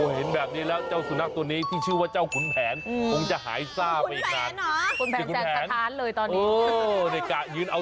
เห็นแบบนี้แล้วเจ้าสุนัครตัวนี้ที่ชื่อว่า